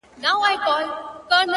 د رهبرۍ، مدیریت او تصمیم نیونې وړتیا